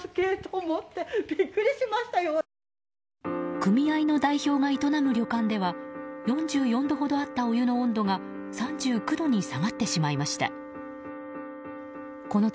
組合の代表が営む旅館では４４度ほどあったお湯の温度が３９度に下がってしまいました。